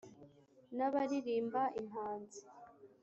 N' abaririmba impanzi,